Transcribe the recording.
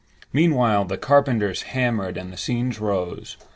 Meanwhile, the carpenters hammered and the scenes rose.